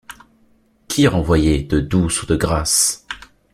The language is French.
Qui renvoyer, de Douce ou de Grâce?